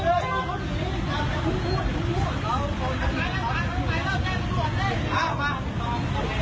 ร้อยอย่างนี้ข้าหลังคนอย่างนี้